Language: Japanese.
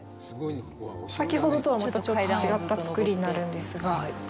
先ほどとはまたちょっと違った造りになるんですが。